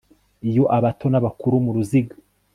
Iyo abato nabakuru muruziga